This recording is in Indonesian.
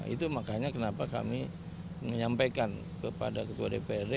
itu makanya kenapa kami menyampaikan kepada ketua dprd